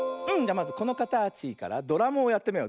まずこのかたちからドラムをやってみよう。